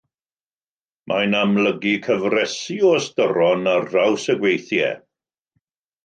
Mae'n amlygu cyfresi o ystyron ar draws y gweithiau.